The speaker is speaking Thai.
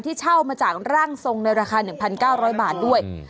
เช่ามาจากร่างทรงในราคา๑๙๐๐บาทด้วย